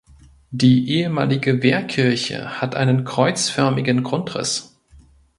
Die ehemalige Wehrkirche hat einen kreuzförmigen Grundriss.